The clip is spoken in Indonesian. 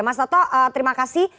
mas toto terima kasih